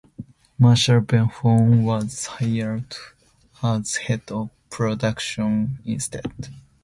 Michael Beinhorn was hired as head of production instead.